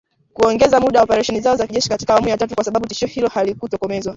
Kuongeza muda wa operesheni zao za kijeshi katika awamu ya tatu, kwa sababu tishio hilo halijatokomezwa.